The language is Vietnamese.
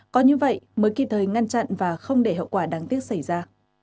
có như vậy mới kịp thời ngăn chặn và không để hậu quả đáng tiếc xảy ra